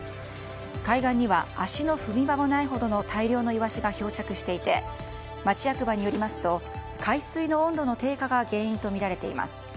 海岸には足の踏み場もないほどの大量のイワシが漂着していて町役場によりますと海水の温度の低下が原因とみられています。